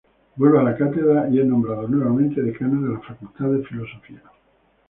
Vuelve a la cátedra y es nombrado nuevamente Decano de la Facultad de Filosofía.